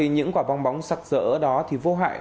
những quả bong bóng sặc sỡ đó thì vô hại